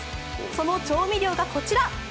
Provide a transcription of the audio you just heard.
その調味料がこちら。